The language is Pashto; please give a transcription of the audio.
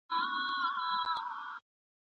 د ستونزو پر وخت بايد له بحث کولو ډډه وسي.